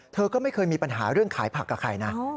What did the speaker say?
เธอก็ไม่เคยมีปัญหาเรื่องขายผักกับใครนะ